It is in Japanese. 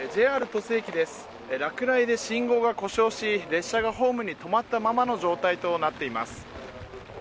ＪＲ鳥栖駅です、落雷で信号が故障し列車がホームに止まったままの状態となっています。